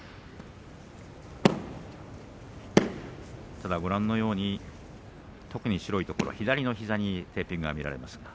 ただご覧のように左の膝にテーピングが見られます。